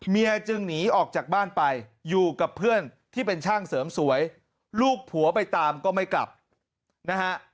เมียจึงหนีออกจากบ้านไปอยู่กับเพื่อนที่เป็นช่างเสริมสวยลูกผัวไปตามก็ไม่กลับนะฮะ